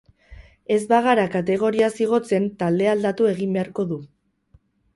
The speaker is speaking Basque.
Ez bagara kategoriaz igotzen taldea aldatu egin beharko du.